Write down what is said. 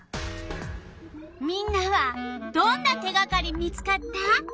みんなはどんな手がかり見つかった？